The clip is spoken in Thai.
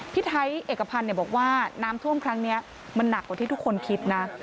พี่ไทยเอกพันธ์บอกว่าน้ำท่วมครั้งนี้มันหนักกว่าที่ทุกคนคิดนะ